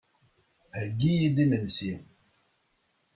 Heggi-iyi-d imensi.